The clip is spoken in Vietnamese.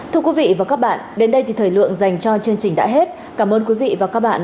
thưa quý vị và các bạn đến đây thì thời lượng dành cho chương trình đã hết cảm ơn quý vị và các bạn